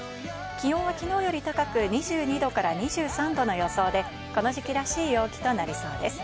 気温はきのうより高く２２度２３度の予想で、この時期らしい陽気となりそうです。